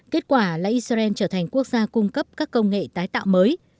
kết quả là israel trở thành quốc gia cung cấp các công nghệ tái tạo mới